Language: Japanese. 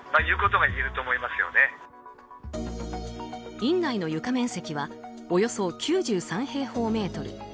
院内の床面積はおよそ９３平方メートル。